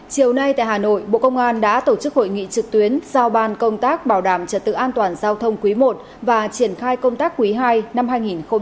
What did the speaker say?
chiều nay tại hà nội bộ công an đã tổ chức hội nghị trực tuyến giao ban công tác bảo đảm trật tự an toàn giao thông quý i và triển khai công tác quý ii năm hai nghìn hai mươi bốn